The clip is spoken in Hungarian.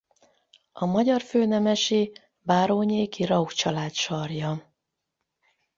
A magyar főnemesi báró nyéki Rauch család sarja.